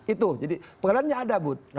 itu jadi pengadilannya ada bud